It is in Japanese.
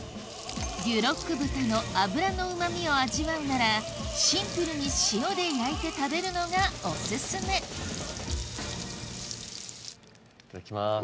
デュロック豚の脂のうま味を味わうならシンプルに塩で焼いて食べるのがオススメいただきます。